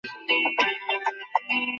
এরকম বলা ঠিক না।